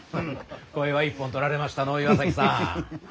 これは一本取られましたのう岩崎さん。